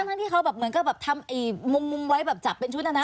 ทั้งที่เขาแบบเหมือนกับแบบทำมุมไว้แบบจับเป็นชุดนะนะ